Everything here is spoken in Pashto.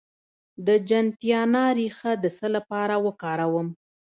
د جنتیانا ریښه د څه لپاره وکاروم؟